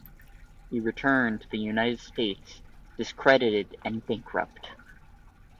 He returned to the United States discredited and bankrupt.